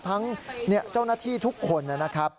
ทั้งเจ้าหน้าที่ทุกคนนะครับ